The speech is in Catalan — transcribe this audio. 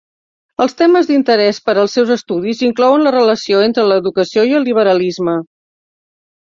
Els temes d"interès per als seus estudis inclouen la relació entre l"educació i el liberalisme.